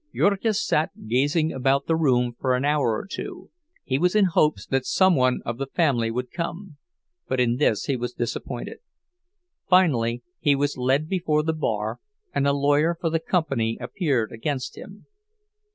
Jurgis sat gazing about the room for an hour or two; he was in hopes that some one of the family would come, but in this he was disappointed. Finally, he was led before the bar, and a lawyer for the company appeared against him.